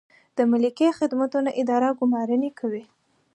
د ملکي خدمتونو اداره ګمارنې کوي